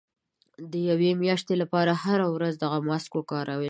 د يوې مياشتې لپاره هره ورځ دغه ماسک وکاروئ.